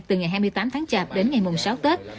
từ ngày hai mươi tám tháng chạp đến ngày mùng sáu tết